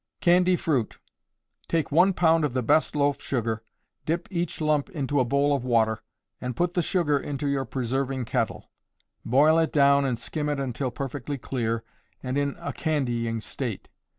Candy Fruit. Take 1 pound of the best loaf sugar; dip each lump into a bowl of water, and put the sugar into your preserving kettle. Boil it down and skim it until perfectly clear, and in a candying state.